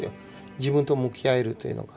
自分と向き合えるというのが。